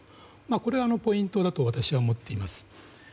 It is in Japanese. これがポイントだと私は思っています。